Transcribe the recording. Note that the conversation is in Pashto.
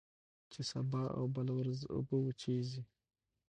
چي سبا او بله ورځ اوبه وچیږي